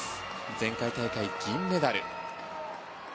前回大会、銀メダル。